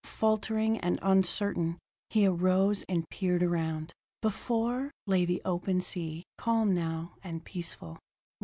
Faltering and uncertain, he arose and peered around. Before, lay the open sea, calm now, and peaceful.